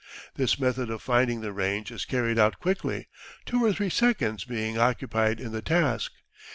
This method of finding the range is carried out quickly two or three seconds being occupied in the task.